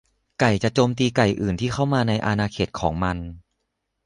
ไก่จะโจมตีไก่อื่นที่เข้ามาในอาณาเขตของมัน